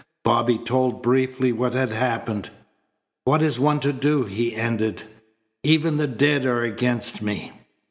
Bobby told briefly what had happened. "What is one to do?" he ended. "Even the dead are against me."